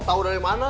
tahu dari mana